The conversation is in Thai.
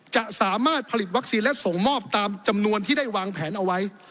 จะสามารถผลิตวัคซีนและส่งมอบตามจำนวนที่ได้วางแผนเอาไว้